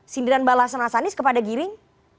sindiran balasan mas anies kepada giring